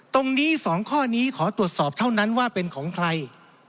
ตรงนี้๒ข้อนี้ขอตรวจสอบเท่านั้นว่าเป็นของใคร